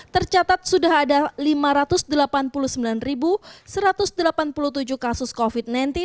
tercatat sudah ada lima ratus delapan puluh sembilan satu ratus delapan puluh tujuh kasus covid sembilan belas